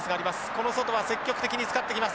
この外は積極的に使ってきます。